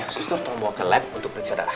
sustur tunggu bawa ke lab untuk periksa darah